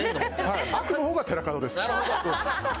悪の方が寺門です弊社の。